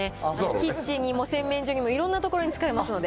キッチンにも洗面所にも、いろんな所に使えますので。